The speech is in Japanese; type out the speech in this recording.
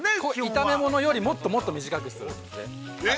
◆炒め物よりもっともっと短くするので。